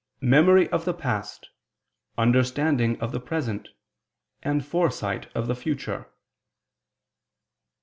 "memory of the past, understanding of the present, and foresight of the future."